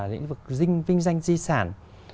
lĩnh vực vinh danh di sản